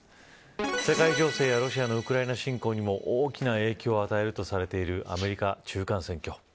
世界情勢やロシアのウクライナ侵攻にも大きな影響を与えるとされているアメリカ、中間選挙。